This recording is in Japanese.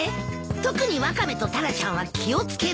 特にワカメとタラちゃんは気を付けるように。